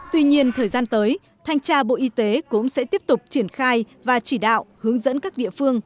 tuy nhiên thời gian tới thanh tra bộ y tế cũng sẽ tiếp tục triển khai và chỉ đạo hướng dẫn các địa phương